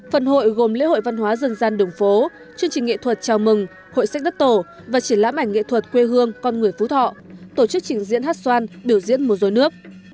phần hội gồm lễ hội văn hóa dân gian đường phố chương trình nghệ thuật chào mừng hội sách đất tổ và triển lãm ảnh nghệ thuật quê hương con người phú thọ tổ chức trình diễn hát xoan biểu diễn một dối nước